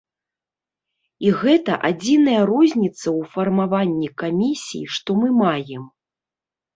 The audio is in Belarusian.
І гэта адзіная розніца ў фармаванні камісій, што мы маем.